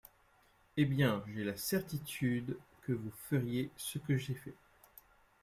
Eh bien, j’ai la certitude que vous feriez ce que j’ai fait.